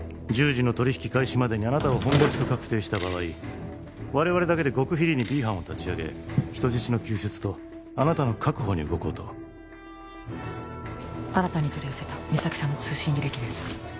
１０時の取引開始までにあなたをホンボシと確定した場合我々だけで極秘裏に Ｂ 班を立ち上げ人質の救出とあなたの確保に動こうと新たに取り寄せた実咲さんの通信履歴です